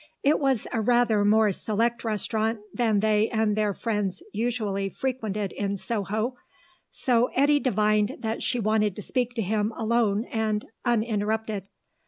It was a rather more select restaurant than they and their friends usually frequented in Soho, so Eddy divined that she wanted to speak to him alone and uninterrupted.